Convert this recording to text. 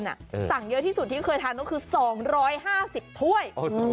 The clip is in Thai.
สั่งเยอะที่สุดที่เคยทานก็คือ๒๕๐ถ้วย